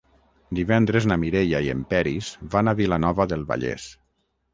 Divendres na Mireia i en Peris van a Vilanova del Vallès.